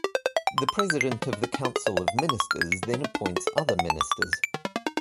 The President of the Council of Ministers then appoints other ministers.